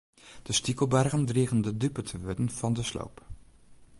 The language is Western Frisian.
De stikelbargen drigen de dupe te wurden fan de sloop.